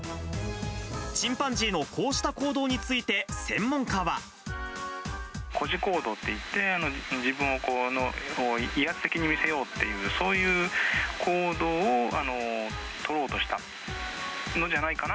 チンパンジーのこうした行動について、誇示行動といって、自分を威圧的に見せようっていう、そういう行動を取ろうとしたんじゃないかな。